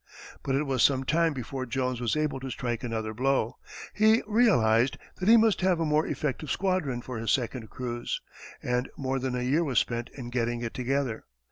But it was some time before Jones was able to strike another blow. He realized that he must have a more effective squadron for his second cruise, and more than a year was spent in getting it together.